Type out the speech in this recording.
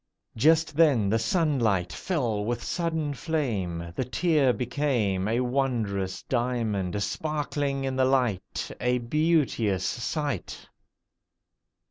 Just then the sunlight fell with sudden flame: The tear became A wondrous diamond sparkling in the light— A beauteous sight.